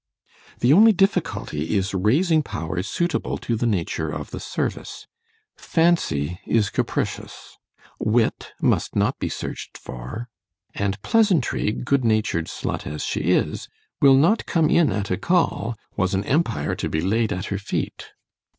The only difficulty, is raising powers suitable to the nature of the service: FANCY is capricious—WIT must not be searched for—and PLEASANTRY (good natured slut as she is) will not come in at a call, was an empire to be laid at her feet.